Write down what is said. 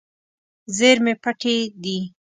زیرمې پټې دي.